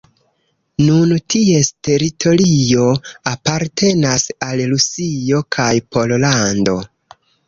Nun ties teritorio apartenas al Rusio kaj Pollando.